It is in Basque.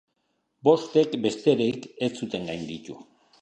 Bostek besterik ez zuten gainditu.